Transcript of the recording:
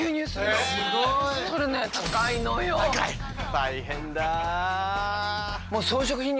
大変だ。